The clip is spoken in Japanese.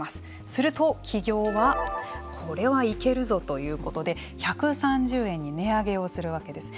すると企業はこれは行くぞということで１３０円に値上げをするわけです。